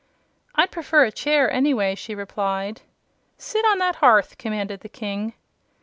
"I'd prefer a chair, anyway," she replied. "Sit on that hearth," commanded the King.